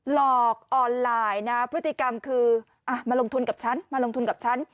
ลอกออนไลน์พฤติกรรมคือมาลงทุนกับฉัน